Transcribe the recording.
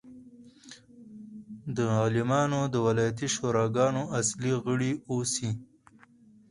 د عالمانو د ولایتي شوراګانو اصلي غړي اوسي.